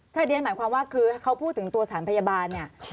ใช่เรียนหมายความว่าคือเขาพูดถึงตัวสารพยาบาลเนี่ย